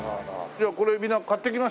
じゃあこれみんな買っていきます？